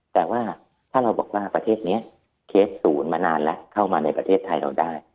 แต่ว่าถ้าเราบอกว่าประเทศนี้เคสศูนย์มานานแล้วเข้ามาในประเทศไทยเราได้